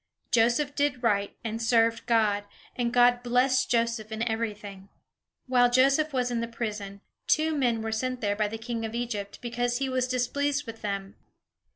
Joseph did right, and served God, and God blessed Joseph in everything. While Joseph was in the prison, two men were sent there by the king of Egypt, because he was displeased with them.